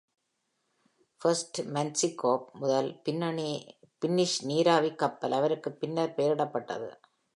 "First Menshikov" முதல் Finnish நீராவி கப்பல் அவருக்கு பின்னர் பெயரிடப்பட்டது.